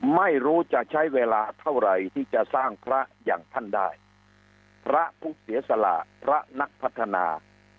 ไม่รู้จะใช้เวลาเท่าไหร่ที่จะสร้างพระอย่างท่านได้พระผู้เสียสละพระนักพัฒนา